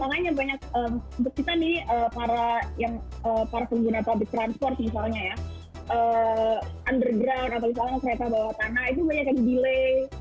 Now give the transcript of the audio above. makanya banyak untuk kita nih para pengguna public transport misalnya ya underground atau misalnya kereta bawah tanah itu banyak yang delay